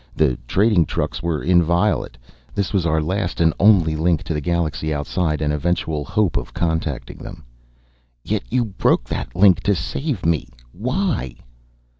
The trading trucks were inviolate. This was our last and only link to the galaxy outside and eventual hope of contacting them." "Yet you broke that link to save me why?"